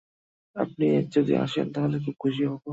আপনি যদি আসেন তাহলে খুব খুশি হব।